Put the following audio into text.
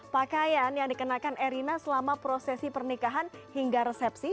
pakaian yang dikenakan erina selama prosesi pernikahan hingga resepsi